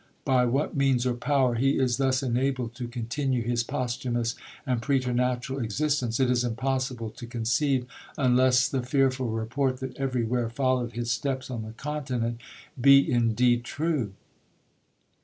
By what means or power he is thus enabled to continue his posthumous and preternatural existence, it is impossible to conceive, unless the fearful report that every where followed his steps on the Continent, be indeed true.'